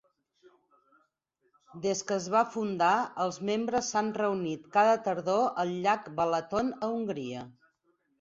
Des que es va fundar, els membres s'han reunit cada tardor al llac Balaton, a Hongria.